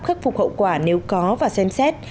khắc phục hậu quả nếu có và xem xét